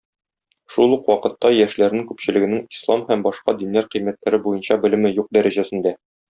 Шул ук вакытта яшьләрнең күпчелегенең ислам һәм башка диннәр кыйммәтләре буенча белеме юк дәрәҗәсендә.